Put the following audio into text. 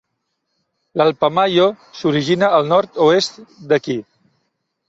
L'Alpamayo s'origina al nord-oest d'aquí.